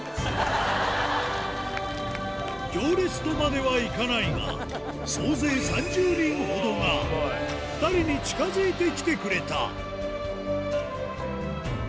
行列とまではいかないが総勢３０人ほどが２人に近づいてきてくれた